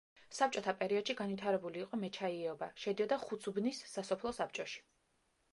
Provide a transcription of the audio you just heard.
საბჭოთა პერიოდში განვითარებული იყო მეჩაიეობა, შედიოდა ხუცუბნის სასოფლო საბჭოში.